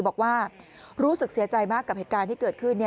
บอกว่ารู้สึกเสียใจมากกับเหตุการณ์ที่เกิดขึ้น